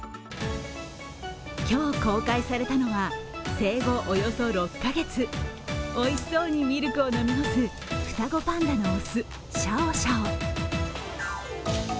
今日公開されたのは、生後およそ６カ月、おいしそうにミルクを飲み干す双子パンダの雄、シャオシャオ。